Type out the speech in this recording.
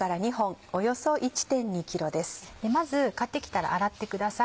まず買ってきたら洗ってください。